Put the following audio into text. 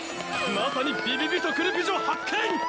まさにビビビとくる美女発見！